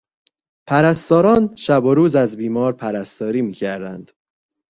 پرستاران شب و روز از بیمار پرستاری میکردند.